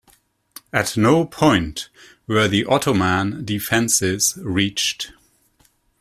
At no point were the Ottoman defences reached.